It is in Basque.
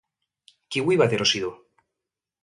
Kiwi bat erosi du.